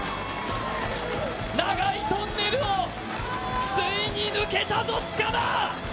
長いトンネルをついに抜けたぞ塚田。